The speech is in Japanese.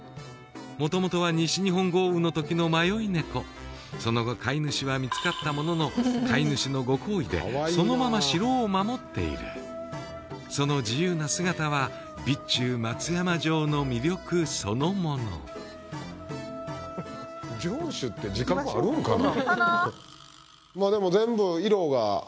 元々は西日本豪雨の時の迷い猫その後飼い主は見つかったものの飼い主のご厚意でそのまま城を守っているその自由な姿は備中松山城の魅力そのもの城主って自覚あるんかな？